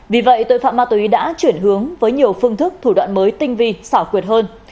vì vậy tội phạm ma túy đã chuyển hướng với nhiều phương thức thủ đoạn mới tinh vi xảo quyệt hơn